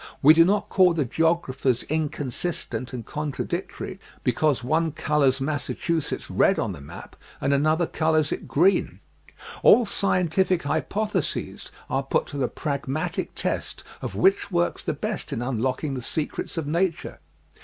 We do not call the geographers inconsistent and contradictory be cause one colors Massachusetts red on the map and an other colors it green. All scientific hypotheses are put to the pragmatic test of which works the best in un locking the secrets of Nature.